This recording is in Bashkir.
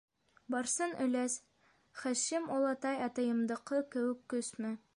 Барсын өләс, Хашим олатай, атайымдыҡы кеүек көсмө?